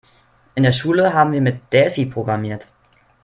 In der Schule haben wir mit Delphi programmiert.